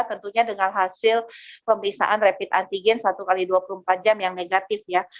tentunya dengan hasil pemeriksaan rapid antigen satu x dua puluh empat jam yang negatif ya